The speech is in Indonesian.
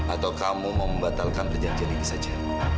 atau kamu membatalkan perjanjian ini saja